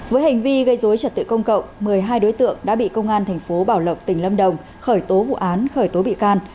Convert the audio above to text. với hành vi gây dối trật tự công cộng một mươi hai đối tượng đã bị công an thành phố bảo lộc tỉnh lâm đồng khởi tố vụ án khởi tố bị can